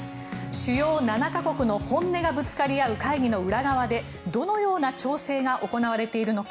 主要７か国の本音がぶつかり合う会議の裏側でどのような調整が行われているのか。